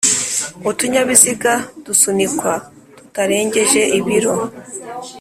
utunyabiziga dusunikwa tutarengeje ibiro